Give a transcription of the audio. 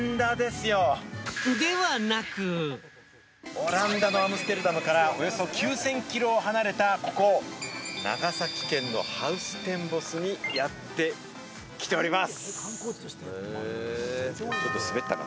オランダのアムステルダムから、およそ９０００キロ離れたここ、長崎県のハウステンボスにやってきております。